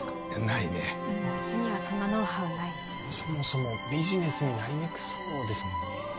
ないねうちにはそんなノウハウないしそもそもビジネスになりにくそうですもんね